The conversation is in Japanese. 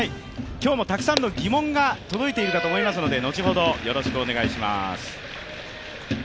今日もたくさんの疑問が届いているかと思いますので、後ほどよろしくお願いします。